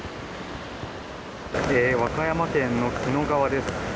和歌山県の紀の川です。